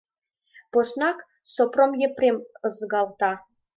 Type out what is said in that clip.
Поснак Сопром Епрем ызгалта.